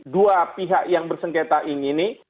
dua pihak yang bersengketa ini